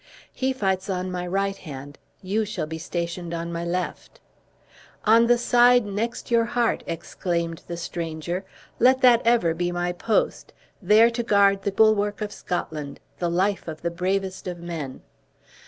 He fights on my right hand, you shall be stationed at my left." "On the side next your heart!" exclaimed the stranger, "let that ever be my post, there to guard the bulwark of Scotland, the life of the bravest of men."